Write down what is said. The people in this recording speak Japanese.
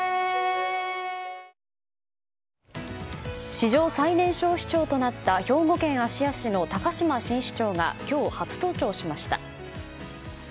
史上最年少市長となった兵庫県芦屋市の高島新市長が今日、初登庁しました。